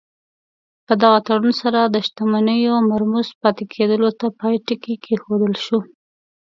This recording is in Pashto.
په دغه تړون سره د شتمنیو مرموز پاتې کېدلو ته پای ټکی کېښودل شو.